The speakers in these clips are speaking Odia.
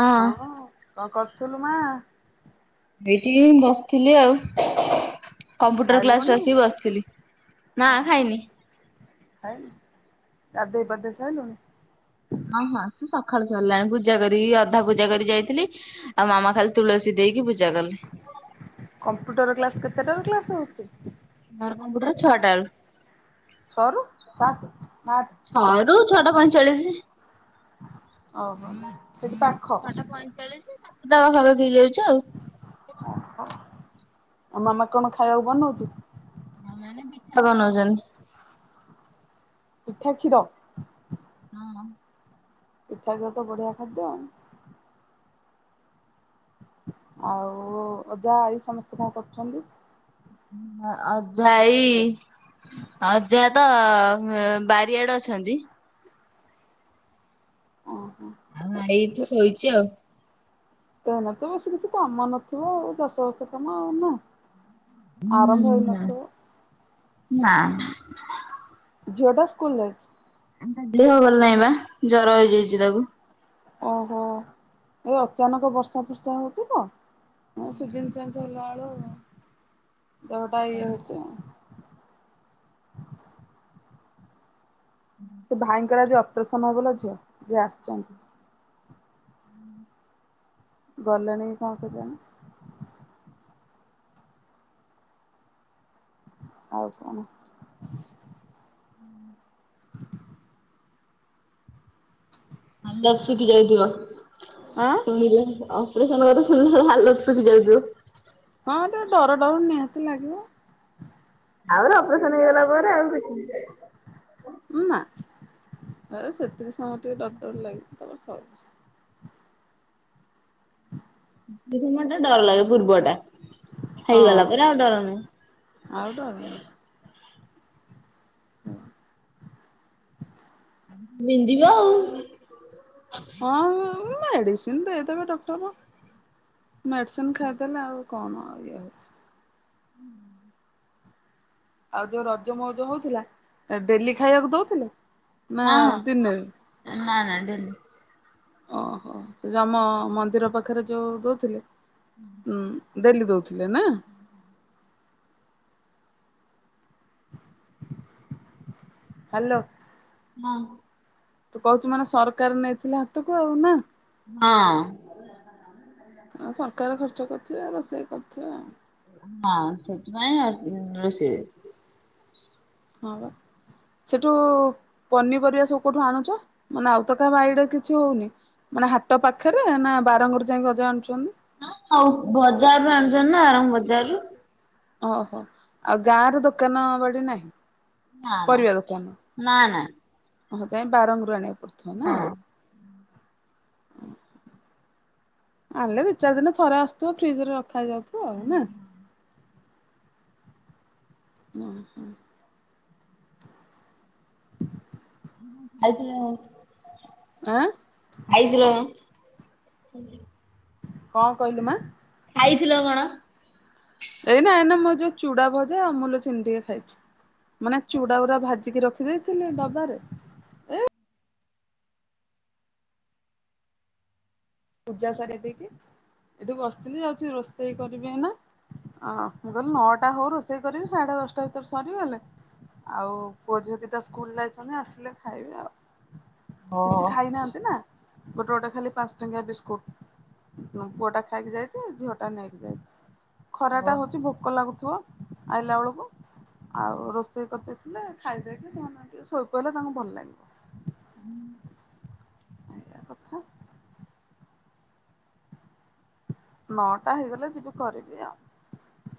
ହଁ କଣ କରୁଥିଲୁ ମା? ଏଇଠି ବସିଥିଲି ଆଉ। କମ୍ପ୍ୟୁଟର ଖାଇଲୁଣି କ୍ଲାସରେ ଆସିକି ବସିଥିଲି ନା ଓହୋ ଖାଇନି। ଗାଧେଇ ପାଧେଇ ସାରିଲୁଣି। ହଁ ହଁ ସେ ସକାଳୁ ସରିଲାଣି ପୂଜା କରି ଅଧା ପୂଜା କରି ଯାଇଥିଲି ଆଉ ମାମା ଖାଲି ତୁଳସୀ ଦେଇକି ପୂଜା କଲେ। କମ୍ପ୍ୟୁଟର କ୍ଲାସ କେତେଟାରେ କ୍ଲାସ ହଉଛି? ର କମ୍ପଟର ଛଅଟାରୁ। ଛଅରୁ ସାତ ନା ଆଠ? ଛଅ ରୁ ଛଅଟା ପଇଁଚାଳିଶ। ଓହୋ। ସେଠି ପାଖ ଛଅଟା ପଇଁଚାଳିଶି ସାତଟା ପାଖାପାଖି ହେଇ ଯାଉଛି ଆଉ। ଆଉ ମାମା କଣ ଖାଇବାକୁ ବନଉଚି? ମୋ ମା ଏଇନେ ପିଠା ବନଉଛନ୍ତି। ପିଠା, କ୍ଷୀର। ହଁ ପିଠାକୁ ତ ବଢିଆ ଖାଦ୍ୟ ଆଉ। ଆଉ ଅଜା ଆଇ ସମସ୍ତେ କଣ କରୁଛନ୍ତି? ଆଉ ଭାଇ ହଁ ଅଜା ତ ବାରିଆଡେ ଅଛନ୍ତି। ଓହୋ ଆଉ ଆଈ ଏଠି ଶୋଇଛି ଆଉ। ଏଇନା ତ ବେଶୀ କିଛି କାମ ନଥିବ ଆଉ ଚାଷ ବାସ କାମ ଆଉ ନା ଆରମ୍ଭ ହେଇନଥିବ। ନାଁ। ଝିଅଟା ସ୍କୁଲ ଜାଇଛି? ତା ଦେହ ଭଲ ନାଇଁ ପା ଜର ହେଇଯାଇଛି ତାକୁ। ଓହୋ ଏ ଅଚାନକ ବର୍ଷା ଫର୍ଷା ହଉଛି ତ। ହଁ ସିଜିନ ଚେଞ ହେଲାବେଳକୁ ଦେହଟା ଇଏ ହଉଚି ଆଉ। ସେ ଭାଇଙ୍କର ଆଜି ଅପ୍ରେସନ ହବାର ଅଛି ଯିଏ ଆସିଛନ୍ତି। ଗଲେଣି କଣ କେଜାଣି? ଆଉ କଣ? [inaudible] ଭଲ ଆସିକି ଯାଇଥିବ ଆଁ ଶୁଣିଲେ ଆଉ ଅପ୍ରେସନ କଥା ଶୁନିକି ତାର ହାଲତ ବାଜି ଯାଉଥିବ। ହଁ ଟିକେ ଡର ଡର ନିହାତି ଲାଗିବ। ଆଉ ଅପ୍ରେସନ ହେଇଗଲା ପରେ ଆଉ କିଛି ନି। ନା। ଆରେ ସେତିକି ସମୟ ଟିକେ ଡର ଡର ଲାଗିବ ତାପରେ ସଇଲା ବୁଝିବାଟା [unintelligible] ଡର ଲାଗେ ପୂର୍ବଟା ହଁ ହେଇଗଲା ପରେ ଆଉ ଡର ଆଉ ନାହିଁ। ହ [inaudible] ବିନ୍ଧିବ ଆଉ ହଁ ମେଡିସିନ୍ ଦେଇଦେବେ ଡକ୍ଟର ମେଡିସିନ ଖାଇଦେଲେ ଆଉ କଣ, ଇଏ ହଉଛି। ଆଉ ଯୋଉ ରଜ ମଉଜ ହଉଥିଲା ଡେଲି ଖାଇବାକୁ ଦଉଥିଲେ। ନା ହଁ ନା ନା ଡେଲି ତିନିଦିନି ଓହୋ ସେ ଜଉମ ମନ୍ଦିର ପାଖରେ ଯୋଉ ଦଉଥିଲେ। ହୁଁ [inaudible] ଡେଲି ଦଉ ହୁଁ । [inaudible] ହାଲୋ, ନା [unintelligible] ତୁ କହୁଛୁ ମାନେ ସରକାର ନେଇଥିଲେ ହାତକୁ ଆଉ ନା- ହଁ। ଆଉ ସରକାର ଖର୍ଚ୍ଚ କରୁଥିବେ ରୋଷେଇ କରୁଥିବେ ଆଉ ନାଁ ସେଥିପାଇଁ ରୋଷେଇ ହଁ ବା ସେଠୁ ପନିପରିବା ସବୁ କଉଠୁ ଆଣୁଛ? ମାନେ ଆଉ ତ କାହା ବାଡି ରେ କିଛି ହଉନି। ମାନେ ହାଟ ପାଖରେ ନା ବାରଙ୍ଗରୁ ଯାଇ ଗଜା ଆଣୁଛନ୍ତି ଆଉ ବଜାର ଆଣୁଛନ୍ତି ନା ବଜାରରୁ ଓହୋ, ଆଉ ଗାଁ ର ଦୋକାନ ବାଡି ନାହିଁ। ନା ପରିବା ଦୋକାନ ନା। ହଁ ଯାଇ ବାରଙ୍ଗରୁ ଆଣିବାକୁ ପଡୁଥିବ ନା? ହଁ ଆଣିଲେ ଦୁଇ ଚାରି ଦିନ ଥରେ ଆସୁଥିବ ଫ୍ରିଜରେ ରଖ ଖାଇ ଯାଉଥିବ ଆଉ। ନା? ହଁ ହୁଁ। [unintelligible] ଖାଇଥିଲ ଆଁ ଖାଇଥିଲେ। [unintelligible] [inaudible] କଣ କହିଲୁ ମା? ଖାଇଥିଲ କଣ? ଏଇନା, ଏଇନା ମୁଁ ଯୋଉ ଚୁଡା ଭଜା ଅମୁଲ ଚିନି ଟିକେ ଖାଇଛି। ମାନେ ଚୁଡା ଗୁରା ଭାଜିକି ରଖି ଦେଇଥିଲି ଡବାରେ ଏ ପୂଜା ସାରି ଦେଇକି ଏଠି ବସିଥିଲି। ଯାଉଛି ରୋଷେଇ କରିବି ଏଇନା। ଅ ମୁଁ କହିଲ ନଅଟା ହଉ ରୋଷେଇ କରିବି। ସାଢେ ଦଶଟା ଭିତରେ ସରିଗଲେ ଆଉ ପୁଅ ଝିଅ ଦିଟା ସ୍କୁଲ ଯାଇଛନ୍ତି। ଆସିଲେ ଖାଇବେ ଆଉ କିଛି ହଁ। ଖାଇନାହାନ୍ତି ନା ଗୋଟେ ଗୋଟେ ଖାଲି ପାଞ୍ଚ ଟଙ୍କିଆ ବିସ୍କୁଟ ପୁଅ ଟା ଖାଇକି ଯାଇଛି। ଝିଅ ଟା ନେଇକି ଯାଇଛି। ଖରା ଓ ଟା ହଉଛି ଭୋକ ଲାଗୁଥିବ, ଆଇଲା ବେଳକୁ। ଆଉ ରୋଷେଇ କରିଦେଇ ହେଲେ ଖାଇଦେଇକି, ସେମାନେ ଟିକେ ଶୋଇ ପଇଲେ ତାଙ୍କୁ ଭଲ ଲାଗିବ। ହୁଁ [unintelligible] ଏଇଆ କଥା। ନଅଟା ହେଇଗଲେ ଯିବି କରିବି ଆଉ।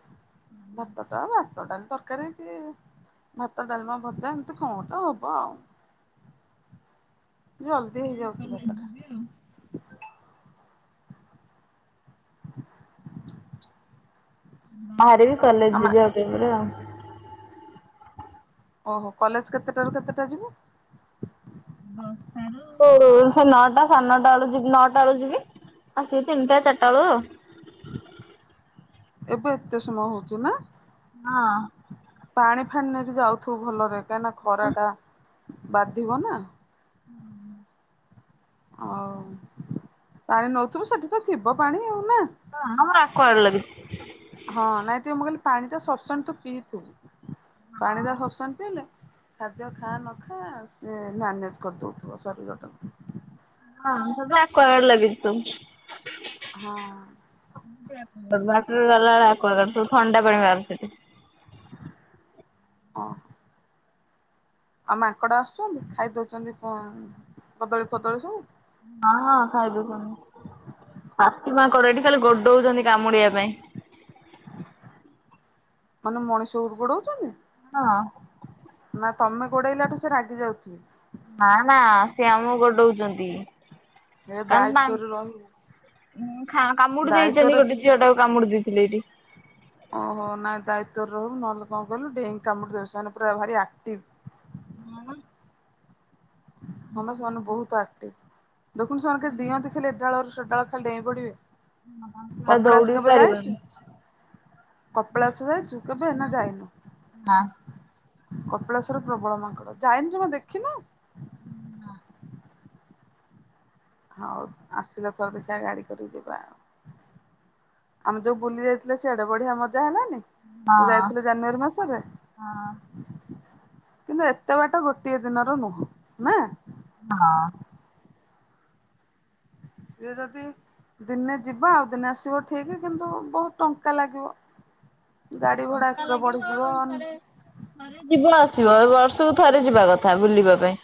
ଭାତଟା ଭାତଡାଲି ତର୍ ତରକାରରେ କି ଭାତ, ଡାଲମା, ଭଜା ଏମିତି କଣ ଗୋଟେ ହବ ଆଉ ଜଲ୍ଦି ହେଇଯାଉଛି [unintelligible] ଭାତଟା ଯିବି ଆଉ। ବାହରିବି କଲେଜ ଆମେ ଯିବି ଆଉ ଟିକେ ପରେ ଆଉ ଓହୋ, କଲେଜ କେତେଟାରୁ କେତେଟା ଯିବୁ? ଦଶଟାରୁ ସେ ନଅଟା, ସାଢ଼େ ନଅଟା, ବେଳୁ ନଅଟା ବେଳୁ ଯିବି। ଆସିବି ତିନିଟା ଚାରିଟା ବେଳୁ ଆଉ ଏବେ ଏତେ ସମୟ ହଉଛି ନା? ହଁ। ପାଣି ଫାଣି ନେଇକି ଯାଉଥିବୁ ଭଲରେ କାହିଁ ନା ଖରା ଟା ବାଧିବ ନା। ହୁଁ [inaudible] ହଉ ପାଣି ନଉଥିବୁ। ସେଠି ତ ଥିବ ପାଣି ଆଉ ନା? ହଁ, ଆମର ଆକ୍ୱାଗାର୍ଡ ଲାଗିଛି। ହଁ, ନାଇଁ ଟିକେ ମୁଁ କହିଲି ପାଣି ଟା ସଫସେଣ୍ ତୁ ପିଇଥିବୁ ପାଣି ଟା ସଫସେଣ୍ଟ ପିଇଲେ। ଖାଦ୍ୟ ଖା ନ ଖା ସେ ମ୍ୟାନେଜ କରିଦଉଥିବ ଶରୀରଟାକୁ। ହଁ ଆକ୍ୱାଗାର୍ଡ ଲାଗୁଚି ହଁ [unintelligible] [unintelligible] [unintelligible] ଥଣ୍ଡା ପାଣି ବାହାରୁଛି ସେଠି। ହଁ। ଆଉ ମାଙ୍କଡ ଆସୁଛନ୍ତି? ହଁ ହଁ, ଖାଇଦଉଛନ୍ତି। ପାତିମାଙ୍କଡ଼ ଏଠି ଖାଲି ଗୋଡଉଛନ୍ତି କାମୁଡିବା ପାଇଁ। ମାନେ ମଣିଷ କୁ ଗୋଡାଉଛନ୍ତି। ହଁ। ନା ତମେ ଗୋଡ଼େଇଲାଠୁ ସେ ରାଗି ଯାଉଥିବେ। ନା ନା ସେ ଆମକୁ ଗୋଡଉଚନ୍ତି। ଏ ଦାୟିତ୍ୱରୁ ରହିବୁ। କାମୁଡି ଦାୟିତ୍ୱରେ ଦେଇଛନ୍ତି, ଗୋଟେ ଝିଅ ଟାକୁ କାମୁଡି ଦେଇଥିଲେ ଏଇଠି। ଓହୋ। ନାଇଁ ଦାୟିତ୍ଵରେ ରହିବୁ, ନହେଲେ କଣ କହିଲୁ ଡେଇଙ୍କି କାମୁଡି ଦେବେ ସେମାନେ ପୁରା ଭାରି ଆକ୍ଟିଭ। ହଁ ବା। ହମ ସେମାନେ ବହୁତ ଆକ୍ଟିଭ, ଦେଖୁନ୍ତୁ ସେମାନେ କେ ଦିଅନ୍ତି ଖଲେ ଏଡାଳରୁ ସେଡାଳ ଖାଲି ଡେଇଁ ପଡ଼ିବେ। ଦୌଡ଼ିିବି ପାରିବନି। କପିଳାସ ଯାଇଛୁ କେବେ ନା ଯାଇନୁ? ନା। କପିଳେଶ୍ଵର ପ୍ରବଳ ମାଙ୍କଡ, ଯାଇନୁ ଜମା ଦେଖିନୁ? ହୁଁ। ହଉ ଆସିଲେ ଥର ଦେଖିଆ ଗାଡି କରିକି ଯିବା ଆଉ। ଆମେ ଯୋଉ ବୁଲି ଯାଇଥିଲେ ସେଆଡେ ବଢିଆ ମଜା ହେଲାନି। ତୁ ହଁ ଯାଇଥିଲୁ ଜାନୁଆରୀ ମାସରେ। ହଁ କିନ୍ତୁ ଏତେ ବାଟ ଗୋଟିଏ ଦିନର ନୁହଁ ନା। ହଁ। ସେଏ ଯତି ଦିନେ ଯିବା ଆଉ ଦିନେ ଆସିବ ଠିକ, କିନ୍ତୁ ବହୁତ ଟଙ୍କା ଲାଗିବ। ଗାଡି ଭଡା ଟଙ୍କା ଏକ୍ସଟ୍ରା ଲାଗିବ ବଢିଯିବ ଥରେ ଥରେ ଯିବ ଆସ ଯ ବର୍ଷକୁ ଥରେ ଯିବା କଥା ବୁଲିବା ପାଇଁ।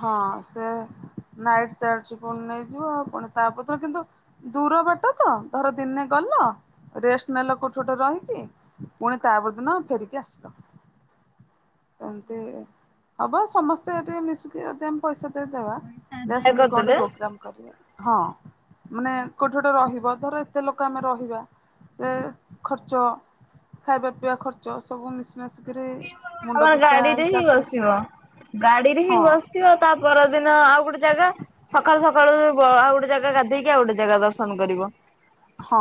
ହଁ ସେ ନାଇଟ୍ ସଡଛି ପୁଣି ନେଇଯିବ ଆଉ ପୁଣି ତାପରୁ କିନ୍ତୁ ଦୂର ବାଟ ତ ଧର ଦିନେ ଗଲେ ରେଷ୍ଟ ପୁଣି ତାପଦିନ ଫେରିକି ଆସିଲ। ଏମତି ହବ ସମସ୍ତେ ଏଠିକେ ମିଶିକି ପଇସା ବା ଯାହା ସେମତି କଣେ କରିଦେଲେ ପ୍ରୋଗ୍ରାମ କରିବା ହଁ। ଧର ଏତେ ଲୋକ ଆମେ ରହିବା ସେ ଖର୍ଚ୍ଚ ଖାଇବା ପିଇବା ଖର୍ଚ୍ଚ ସବୁ ମିଶି ମୁଣ୍ଡ ଆମର ପିଛା ଗାଡିରେ ହିଁ ହିସାବ ବସିବ। ଗାଡିରେ ହିଁ ହଁ ବସିବ ତା ପର ଦିନ ଆଉ ଗୋଟେ ଜାଗା ସକାଳୁ ସକାଳୁ ଆଉ ଗୋଟେ ଜାଗା ଗାଧେଇକି ଆଉ ଗୋଟେ ଜାଗା ଦର୍ଶନ। କରିବ। ହଁ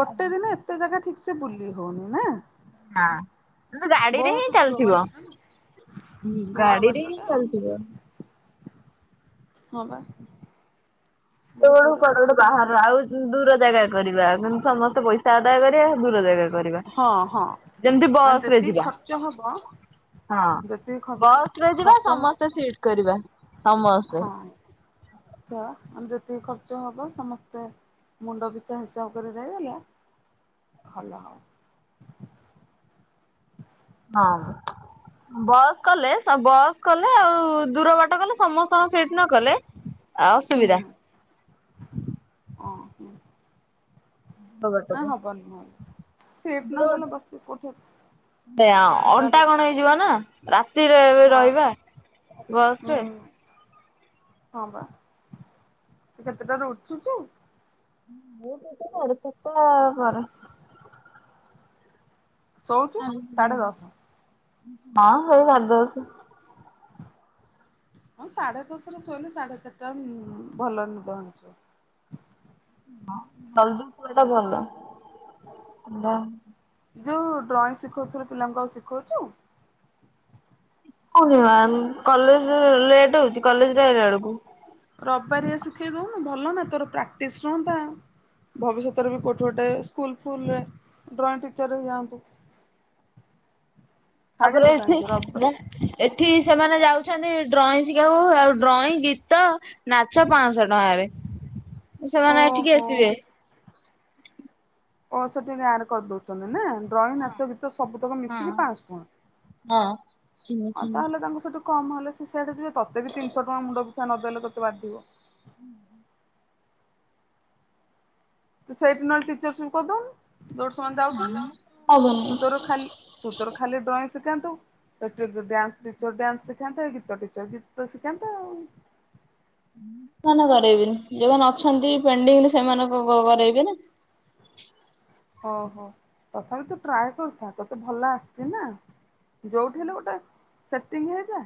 ଗୋଟେ ଦିନ ଏତେ ଜାଗା ଠିକ ସେ ବୁଲି ହଉନି ନା। ହଁ ତୁ ଗାଡିରେ ହିଁ ବହୁତ ଦୂର ଚାଲୁଥିବ ବାଟଟା ନା ହଁ ଦୂର ଗାଡିରେ ନିଁ ବାଟଟା ଆଉ ଚାଲଛି ତ ହଁ ପା। ତୁୁ ବାହାର ଆଉ ଦୂର ଜାଗା କରିବା ସମସ୍ତେ ପଇସା ଆଦାୟ କରିବା। ଦୂର କରିବା। ହଁ ହଁ ମାନେ ଯେତିକି ଖର୍ଚ୍ଚ ହବ ହଁ ଯେତିକି ଖର୍ଚ୍ଚ ବସ ରେ ଯିବା ଖର୍ଚ୍ଚ ସମସ୍ତେ ସିଟ କରିବା। ସମସ୍ତେ। ହଁ । ଯେତିକି ଖର୍ଚ୍ଚ ହବ ସମସ୍ତେ ମୁଣ୍ଡ ବିଛା ହିସାବ କରି ଦେଇଦେଲେ ଭଲ ହବ। ହଁ। ବସ୍ କଲେ ବସ୍ କଲେ ଆଉ ଦୂର ବାଟ କଲେ ସମସ୍ତଙ୍କ ସିଟ ନ କଲେ ଆହୁରି ହୁଁ ସୁବିଧା। ବାଟକୁ। ହବ ନାହିଁ ସିଟ ନ ଗଲେ ବସି କୋ ସେଇଆ ଅଣ୍ଟା କଣ ହେଇଯିବ ନା? ରାତିରେ ହଁ ରହିବା ବସ୍ ହୁଁ ରେ। ହଁ ପା ତୁ କେତେଟାରୁ ଉଠୁଛୁ? ମୁଁ ଉଠୁଛି ସାଢ଼େ ଚାରି ଟା ପରେ। ଶୋଉଛୁ ସାଢେ ଦଶ? ହଁ ସେଇ ସାଢେ ଦଶ । ହଁ ସାଢେ ଦଶରେ ଶୋଇଲେ ସାଢେ ଚାରିଟା ଭଲ ନିଦ ଭାଙ୍ଗିଜିବ। ହଁ ଜଲଦି ଉଠିବାଟା ଭଲ। ଯୋଉ ଡ୍ରଇଂ ଶିଖାଉ ପିଲାଙ୍କୁ ଆଉ ଶିଖାଉଛୁ? କନ କଲେଜ ଲେଟ ହଉଛି କଲେଜ ରେ ଆଇଲା ବେଳକୁ। ରବିବାରିଆ ଶିଖେଇ ଦଉନୁ ଭଲ ନା ତୋର ପ୍ରାକ୍ଟିସ ରୁହନ୍ତା। ଭବିଷ୍ୟତରେ କୋଉଠି ଗୋଟେ ଭଲ ସ୍କୁଲ ଫଲ ଡ୍ରଂର ହେ ଯାଆନ୍ତୁ। ତାପରେ ଏଠି ରବ ମୁଁ ଏଠି ସେମାନେ ଯାଉଛନ୍ତି ଡ୍ରଇଂ ଶିଖିବାକୁ ଆଉ ଡ୍ରଇଂ ଗୀତ ନାଚ ପାଞ୍ଚଶହ ଟଙ୍କାରେ। ସେମାନେ ଏଠିକି ଓହୋ। ଆସିବେ। ଓ ସେଠି ଆଡେ କରିଦଉଛନ୍ତି ନା? ଡ୍ରଇଂ ନାଚିବା ଭିତରେ ସବୁ ତକ ମିଶିକି ପାଞ୍ଚଣ ହଁ। ଆଉ ତାହେଲେ ତାଙ୍କୁ ସେଠୁ କମ ହେଲେ ସ ସେଆଡେ ଯିବେ ତତେ ବି ତିନିଶହ ଟଙ୍କା ମୁଣ୍ଡ ପିଛା ନଦେଲେ ତତେ ବାଧିବ। ହୁଁ। ତ ସେଇଠି ନହେଲେ ଟିଚର ସିପ କରି ଦୋଉନୁ? ସେମାନେ ଯାଉଛନ୍ତି ହବନି ତୁ ତୋର ଖାଲି ତୁ ତୋର ଖାଲି ଡ୍ରଇଂ ଶିଖାନ୍ତୁ। ଡ୍ୟାନ୍ଟିର ଡ୍ୟାନ୍ସ ଶିଖାନ୍ତେ ଗୀତ ଟିଚର ଗୀତ ଶିଖାନ୍ତେ ଆଉ ମନା କରରାଇବେ ଯୋଉମାନେ ଅଛନ୍ତି ପେଣ୍ଡିଙ୍ଗରେ ସେମାନଙ୍କ କରେଇବେ ନା। [inaudible] ଓହୋ ତଥାପି ତୁ ଟ୍ରାଏ କରିଥା ତତେ ଭଲ ଆସିଚ ନା। ଯୋଉଠି ହେଲେ ନା ଗୋଟେ ସେଟିଙ୍ଗ ହେଇଯା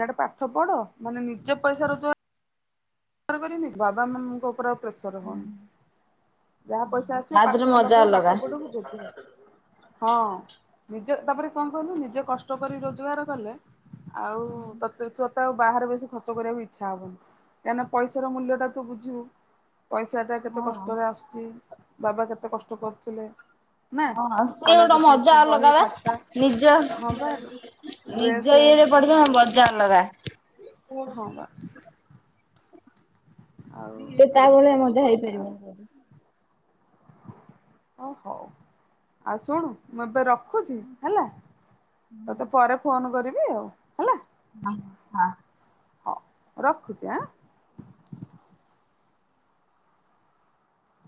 ଇଆଡେ ପାଠ ପଢ ମାନେ ନିଜେ ପଇସା ରୋଜଗାର ତରବ ନିର୍ ବାବାମାନଙ୍କ ଉପରା ପ୍ରଚର ହବନି। ଯାହା ପଇସା ଆସିବ ତା ଦେହରେ ପାଠରେ ମଜା ଲଗେଇବ ଅଲଗା ପାଠ ପଢିବ ଯୋଗ୍ୟ ସବୁ। ହଁ ନିଜେ ତାପରେ କଣ କହିଲୁ ନିଜେ କଷ୍ଟ କରି ରୋଜଗାର କଲେ ଆଉ ତତେ ତତେ ଆଉ ବାହାରେ ବେଶି ଖର୍ଚ୍ଚ କରିବାକୁ ଇଚ୍ଛା ହବନି। କାହିଁକିନା ପଇସାର ମୂଲ୍ୟ ଟା ତୁ ବୁଝିବୁ ପଇସା ଟା କେତେ କଷ୍ଟରେ ଆସୁଛି ବାବା କେତେ ଏତେ କଷ୍ଟ କରୁଥିଲେ? ନା ହଁ ସେ କଲେଜ ଗୋଟେ ଫିସ୍ ମଜା ଅଲଗା ବହି ପା ଖାତା ନିଜ ହଁ ବା ଡ୍ରେସ୍ ନିଜ ଇଏରେ ପଢିବ ମଜା ଅଲଗା। ହ ବା। ଆଉ ତା ଏମିତି ଭଳିଆ ସବୁ ମଜା କଥା ଆଉ। ହେଇପାରିବନି। ଓ ହୋ ଆଉ ଶୁଣୁ ମୁଁ ଏବେ ରଖ୍ ଖୁଚି ହେଲା ତତେ ପରେ ଫୋନ କରିବି ଆଉ ହେଲା। ହଁ ହଁ। ରଖୁଚି ଏଁ।